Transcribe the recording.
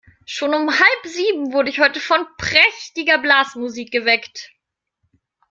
Schon um halb sieben wurde ich heute von prächtiger Blasmusik geweckt.